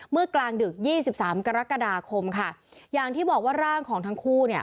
เมื่อกลางดึก๒๓กรกฎาคมค่ะอย่างที่บอกว่าร่างของทั้งคู่เนี่ย